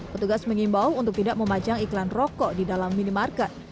petugas mengimbau untuk tidak memajang iklan rokok di dalam minimarket